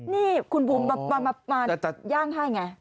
นี่คุณภูมิมาย่างให้ไง